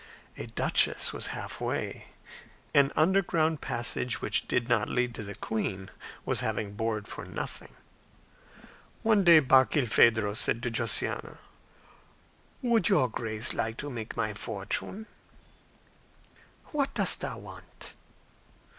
A duchess was half way; an underground passage which did not lead to the queen was having bored for nothing. One day Barkilphedro said to Josiana, "Would your Grace like to make my fortune?". "What dost thou want?"